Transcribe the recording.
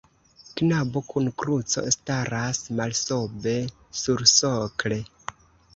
Knabo kun kruco staras malsobe sursokle.